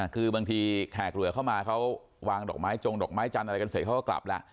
คือบางทีแขกเหลือเข้ามาเขาวางดอกไม้จงดอกไม้จันทร์อะไรกันเสร็จเขาก็กลับแล้ว